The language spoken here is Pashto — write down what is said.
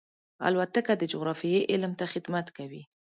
الوتکه د جغرافیې علم ته خدمت کوي.